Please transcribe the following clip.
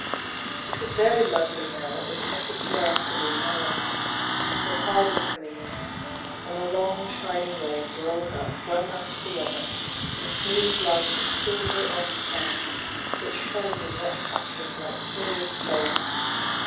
It was very lovely there at this particular afternoon hour,— the tide was coming in, and the long shining waves rolled up one after the other in smooth lines of silver on sand that shone in wet patches hke purest gold.